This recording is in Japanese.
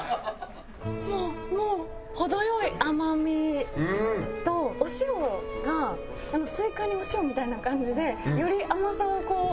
もうもう程良い甘みとお塩が「スイカにお塩」みたいな感じでより甘さをこう。